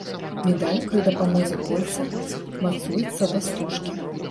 Медаль пры дапамозе кольца мацуецца да стужкі.